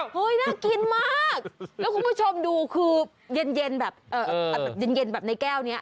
เฮ้ยน่ากินมากแล้วคุณผู้ชมดูคือเย็นแบบในแก้วเนี้ย